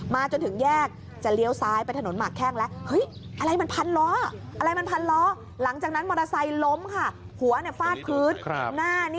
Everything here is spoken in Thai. มาจนถึงแยกจะเลี้ยวซ้ายไปถนนหมักแข้งแล้ว